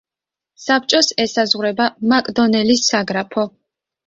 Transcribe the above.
საბჭოს ესაზღვრება მაკდონელის საგრაფო.